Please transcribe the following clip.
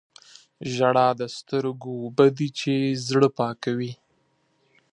• ژړا د سترګو اوبه دي چې زړه پاکوي.